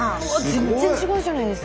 全然違うじゃないですか！